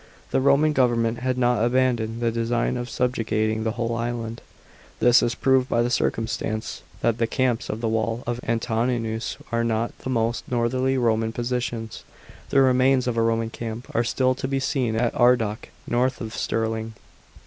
The Roman government had not abandoned the design of subjugating the whole island. This is proved by the circumstance, that the camps of the wall of 526 PRINCIPATE OF ANTONINUS PIUS. CHAP, xxvn Antoninus are not the most northerly Roman positions. The remains of a Roman camp are still to be seen at Ardoch, north of Stirling.